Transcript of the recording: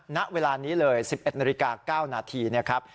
ณเวลานี้เลย๑๑นาฬิกา๙นาทีนะครับ